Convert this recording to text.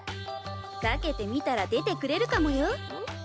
かけてみたら出てくれるかもよ。